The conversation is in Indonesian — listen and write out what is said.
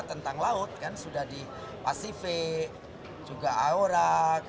tentang laut kan sudah di pasifik juga aura